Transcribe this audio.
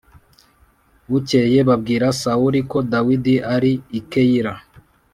Bukeye babwira Sawuli ko Dawidi ari i Keyila.